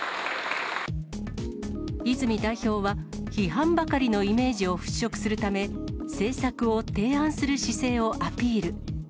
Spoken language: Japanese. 泉代表は、批判ばかりのイメージを払拭するため、政策を提案する姿勢をアピール。